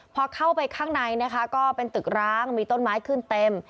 พอเข้าไปข้างในนะคะก็เป็นตึกร้างมีต้นไม้ขึ้นเต็ม